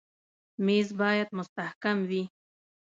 مېز باید مستحکم وي.